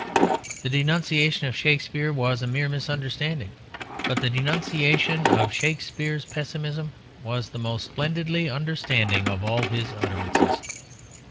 The denunciation of Shakespeare was a mere misunderstanding. But the denunciation of Shakespeare's pessimism was the most splendidly understanding of all his utterances.